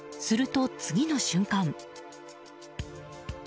すると、次の瞬間。